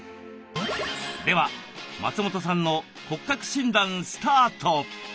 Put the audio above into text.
では松本さんの骨格診断スタート！